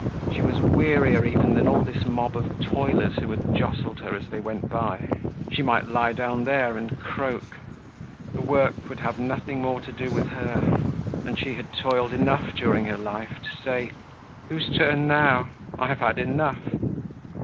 She was wearier even than all this mob of toilers who had jostled her as they went by. She might lie down there and croak, for work would have nothing more to do with her, and she had toiled enough during her life to say: "Whose turn now? I've had enough."